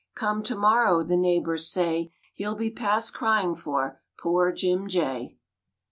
Come tomorrow, The neighbours say, He'll be past crying for; Poor Jim Jay.